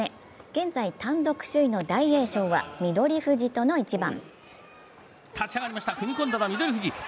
現在、単独首位の大栄翔は翠富士との一番。